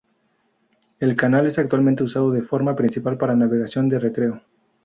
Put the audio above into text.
El canal es actualmente usado de forma principal para navegación de recreo.